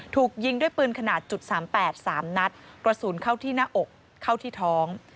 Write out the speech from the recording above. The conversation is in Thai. ถูกยิงด้วยปืนขนาดจุด๓๘๓นัดกระสุนเข้าที่หน้าอกเข้าที่ท้อง